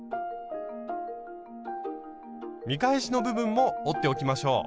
見返しの部分も折っておきましょう。